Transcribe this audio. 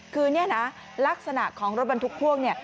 คือนี่นะลักษณะของรถบรรทุกพ่วงเนี่ย